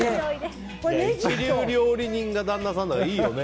一流料理人が旦那さんだからいいよね。